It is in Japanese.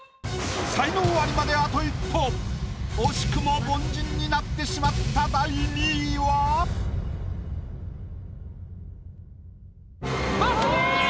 才能アリまであと一歩惜しくも凡人になってしまった第２位は⁉ますみ！